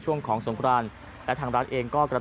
จำนวนนักท่องเที่ยวที่เดินทางมาพักผ่อนเพิ่มขึ้นในปีนี้